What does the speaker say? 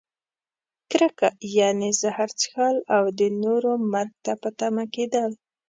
کرکه؛ یعنې زهر څښل او د نورو مرګ ته په تمه کیدل.